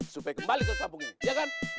supaya kembali ke kampung ini ya kan